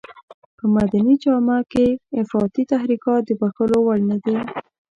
په مدني جامه کې افراطي تحرکات د بښلو وړ نه دي.